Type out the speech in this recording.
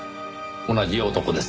同じ男です。